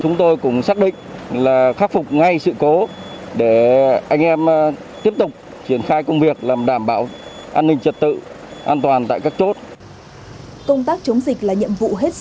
chúng tôi cũng xác định là khắc phục ngay sự cố để anh em tiếp tục triển khai công việc làm đảm bảo an ninh trật tự an toàn tại các chốt